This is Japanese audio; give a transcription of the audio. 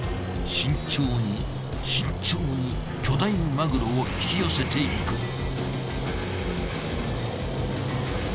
慎重に慎重に巨大マグロを引き寄せていく。